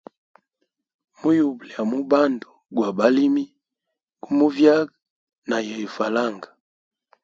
Mu yuba lya mubandu gwa balimi, gu muvyaga na yeyo falanga.